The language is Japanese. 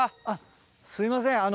あっすいません